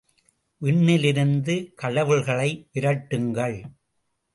விண்ணிலிருந்து கடவுள்களை விரட்டுங்கள்.